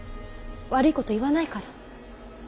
悪いこと言わないから。